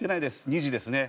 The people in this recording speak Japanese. ２時ですね。